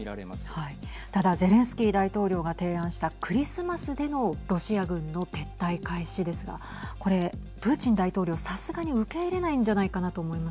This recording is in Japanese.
ただゼレンスキー大統領が提案したクリスマスでのロシア軍の撤退開始ですがこれ、プーチン大統領、さすがに受け入れないんじゃないかなはい。